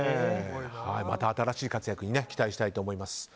また新しい活躍に期待したいと思います。